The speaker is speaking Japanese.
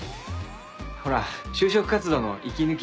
ほら就職活動の息抜きに。